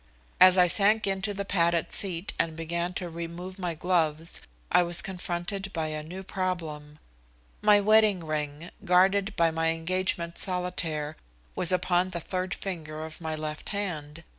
As I sank into the padded seat and began to remove my gloves I was confronted by a new problem. My wedding ring, guarded by my engagement solitaire, was upon the third finger of my left hand.